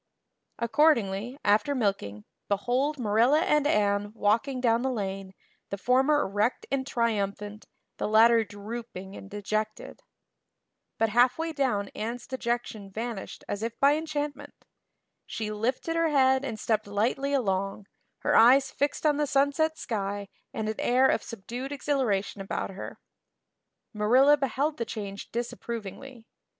Accordingly, after milking, behold Marilla and Anne walking down the lane, the former erect and triumphant, the latter drooping and dejected. But halfway down Anne's dejection vanished as if by enchantment. She lifted her head and stepped lightly along, her eyes fixed on the sunset sky and an air of subdued exhilaration about her. Marilla beheld the change disapprovingly.